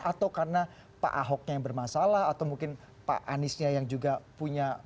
atau karena pak ahoknya yang bermasalah atau mungkin pak aniesnya yang juga punya